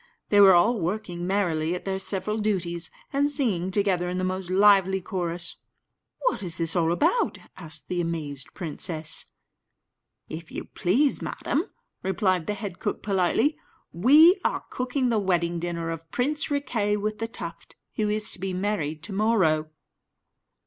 They were all working merrily at their several duties, and singing together in the most lively chorus. "What is all this about?" asked the amazed princess. "If you please, madam," replied the head cook, politely, "we are cooking the wedding dinner of Prince Riquet with the Tuft, who is to be married to morrow."